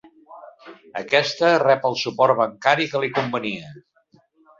Aquesta rep el suport bancari que li convenia.